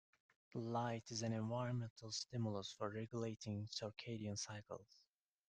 Light is an environmental stimulus for regulating circadian cycles.